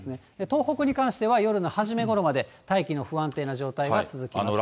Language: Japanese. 東北に関しては、夜の初めごろまで大気の不安定な状態が続きます。